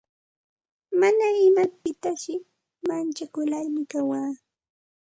Mana imapitasi manchakularmi kawaa.